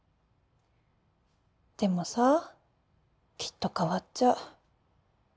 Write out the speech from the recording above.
でもさきっと変わっちゃう。